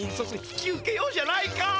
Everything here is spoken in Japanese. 引き受けようじゃないか！